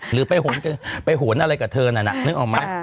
หรือไปโหนอะไรกับเธอนั่นน่ะนึกออกไหม